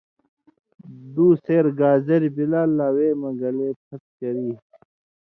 دُو سیر گازریۡ بلال لا وے مژ گلے پھت کری۔